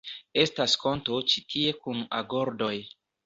Estas konto ĉi tie kun agordoj